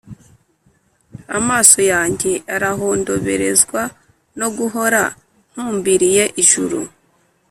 amaso yanjye arahondoberezwa no guhora ntumbiriye ijuru.